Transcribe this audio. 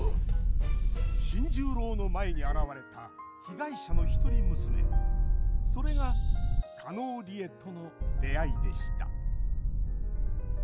新十郎の前に現れた被害者の一人娘それが加納梨江との出会いでした